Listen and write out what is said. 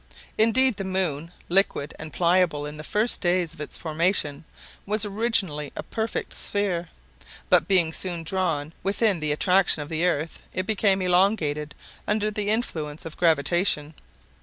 Indeed the moon, liquid and pliable in the first days of its formation, was originally a perfect sphere; but being soon drawn within the attraction of the earth, it became elongated under the influence of gravitation.